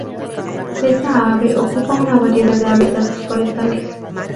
Esta ave ocupa una variedad de hábitats forestales.